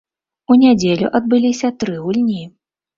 У нядзелю адбыліся тры гульні.